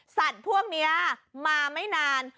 สัตว์พวกนี้มาไม่นาน